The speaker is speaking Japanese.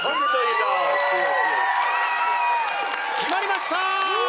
決まりました！